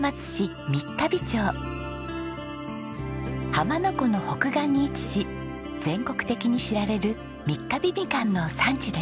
浜名湖の北岸に位置し全国的に知られる三ヶ日みかんの産地です。